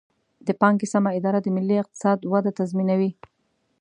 د پانګې سمه اداره د ملي اقتصاد وده تضمینوي.